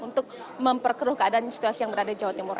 untuk memperkeruh keadaan situasi yang berada di jawa timur